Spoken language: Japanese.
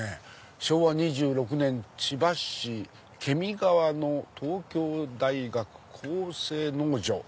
「昭和二十六年千葉市検見川の東京大学厚生農場」。